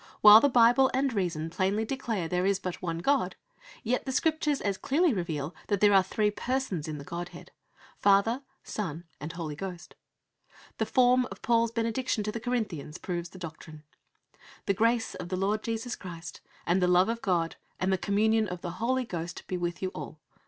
While the Bible and reason plainly declare that there is but one God, yet the Scriptures as clearly reveal that there are three Persons in the Godhead Father, Son, and Holy Ghost. The form of Paul's benediction to the Corinthians proves the doctrine: "The grace of the Lord Jesus Christ, and the love of God, and the communion of the Holy Ghost, be with you all.